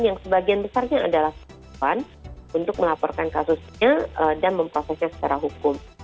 yang sebagian besarnya adalah perempuan untuk melaporkan kasusnya dan memprosesnya secara hukum